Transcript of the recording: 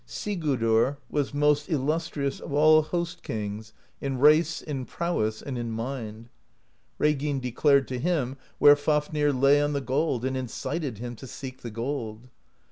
Sigurdr was most illustrious of all Host Kings in race, in prowess, and in mind. Reginn declared to him where Fafnir lay on the gold, and incited him to seek the gold.